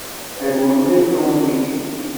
Rwel ma yella umihi.